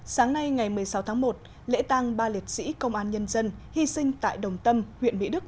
sáng nay ngày một mươi sáu tháng một lễ tàng ba liệt sĩ công an nhân dân hy sinh tại đồng tâm huyện mỹ đức